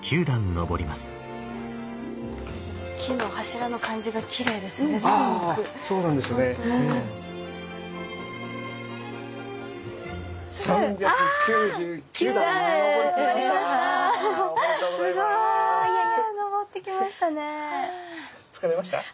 登ってきましたね。